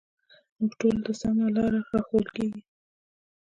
موږ ټولو ته سمه لاره راښوول کېږي